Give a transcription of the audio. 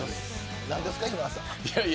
何ですか、今田さん。